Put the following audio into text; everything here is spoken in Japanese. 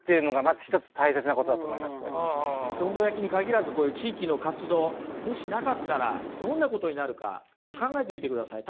どんど焼きに限らずこういう地域の活動もしなかったらどんなことになるかちょっと考えてみてください。